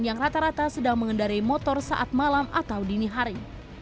yang rata rata sedang mengendari motor saat malam atau dini hari